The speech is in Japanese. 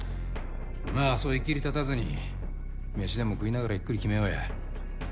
まあそういきりたたずに飯でも食いながらゆっくり決めようや。